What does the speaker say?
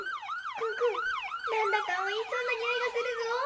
クンクンなんだかおいしそうなにおいがするぞ！